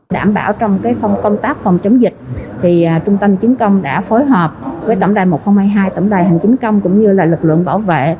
đảm bảo trong cái phòng công tác phòng chống dịch thì trung tâm chính công đã phối hợp với tổng đài một nghìn hai mươi hai tổng đài hành chính công cũng như là lực lượng bảo vệ